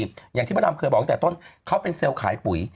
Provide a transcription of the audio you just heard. อย่างที่พระดำเคยบอกตั้งแต่ต้นเขาเป็นเซลล์ขายปุ๋ย